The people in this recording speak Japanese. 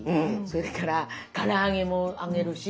それからから揚げも揚げるし。